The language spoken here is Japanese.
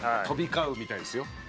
飛び交うみたいですよ。